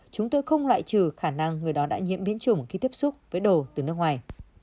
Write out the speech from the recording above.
chúng tôi không loại trừ khả năng người đó đã nhiễm biến chủng khi tiếp xúc với đồ từ nước ngoài